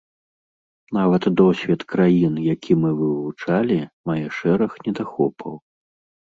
Нават досвед краін, які мы вывучалі, мае шэраг недахопаў.